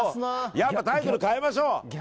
やっぱタイトル変えましょう。